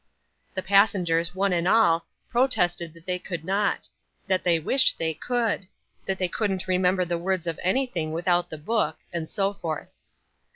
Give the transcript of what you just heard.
The passengers, one and all, protested that they could not; that they wished they could; that they couldn't remember the words of anything without the book; and so forth.